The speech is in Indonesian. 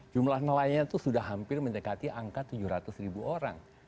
jumlah nelayan itu sudah hampir mendekati angka tujuh ratus ribu orang